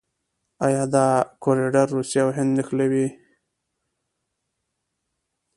آیا دا کوریډور روسیه او هند نه نښلوي؟